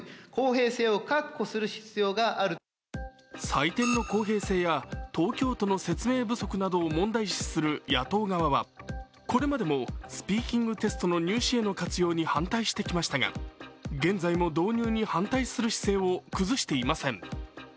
採点の公平性や東京都の説明不足などを問題視する野党側はこれまでもスピーキングテストの入試への活用に反対してきましたが現在も導入に反対する姿勢を崩していません。